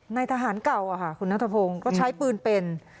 ในทหารเก่าคุณนัทพงศ์ก็ใช้ปืนเป็น